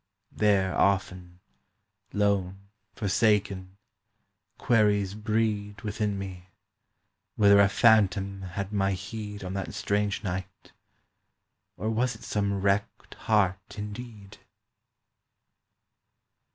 There, often—lone, forsaken— Queries breed Within me; whether a phantom Had my heed On that strange night, or was it some wrecked heart indeed?